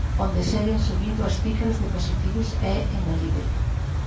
Onde seguen subindo as cifras de positivos é en Melide.